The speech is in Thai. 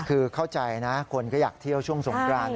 คือเข้าใจนะคนก็อยากเที่ยวช่วงสงกราน